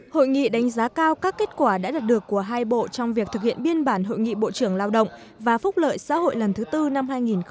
hội nghị đánh giá cao các kết quả đã đạt được của hai bộ trong việc thực hiện biên bản hội nghị bộ trưởng lao động và phúc lợi xã hội lần thứ tư năm hai nghìn một mươi tám